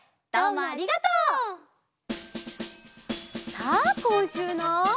さあこんしゅうの。